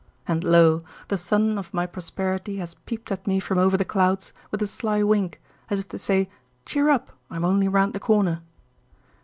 And lo! the sun of my prosperity has peeped at me from over the clouds with a sly wink, as if to say "Cheer up; I am only round the corner."